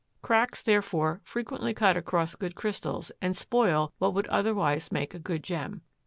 Cracks therefore frequently cut across good crystals and spoil what would otherwise make a good gem.